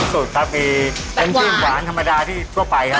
มี๒สูตรครับมีเป็นจิ้มหวานธรรมดาที่ทั่วไปครับ